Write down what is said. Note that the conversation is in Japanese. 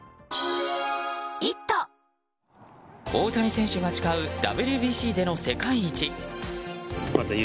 大谷選手が誓うＷＢＣでの世界一。